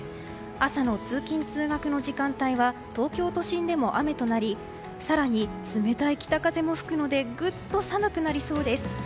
朝の通勤・通学の時間帯は東京都心でも雨となり更に冷たい北風も吹くのでぐっと寒くなりそうです。